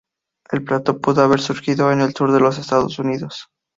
El plato pudo haber surgido en el sur de los Estados Unidos.